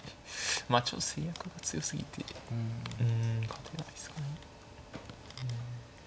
ちょっと制約が強すぎてうん勝てないですかね。